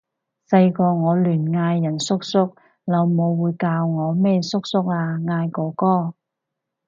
細個我亂嗌人叔叔，老母會教我咩叔叔啊！嗌哥哥！